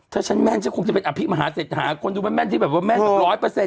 ถ้าฉันแม่นฉันคงจะเป็นอภิมหาเศรษฐาคนดูแม่นที่แบบว่าแม่นแบบร้อยเปอร์เซ็